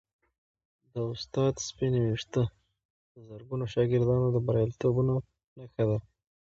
د استاد سپینې ویښتې د زرګونو شاګردانو د بریالیتوبونو نښه ده.